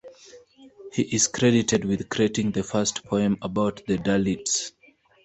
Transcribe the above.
He is credited with creating the first poem about the Dalits.